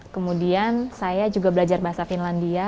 kemudian saya juga belajar bahasa finlandia